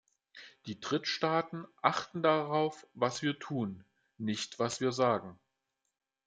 Die Drittstaaten achten darauf, was wir tun, nicht was wir sagen.